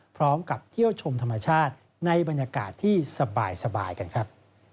พร้อมกับเที่ยวชมธรรมชาติในบรรยากาศที่สบายกันครับ